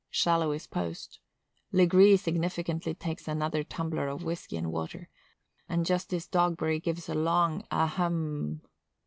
Shallow is posed; Legree significantly takes another tumbler of whiskey and water, and Justice Dogberry gives a long ahe a um.